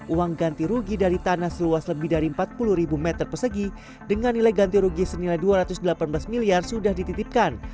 uang ganti rugi dari tanah seluas lebih dari empat puluh ribu meter persegi dengan nilai ganti rugi senilai dua ratus delapan belas miliar sudah dititipkan